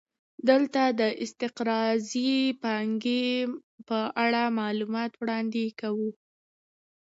دلته د استقراضي پانګې په اړه معلومات وړاندې کوو